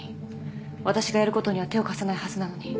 私がやることには手を貸さないはずなのに。